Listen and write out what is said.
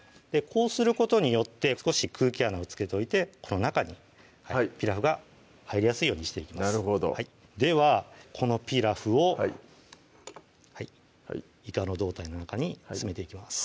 こうすることによって少し空気穴をつけといてこの中にピラフが入りやすいようにしていきますなるほどではこのピラフをはいいかの胴体の中に詰めていきます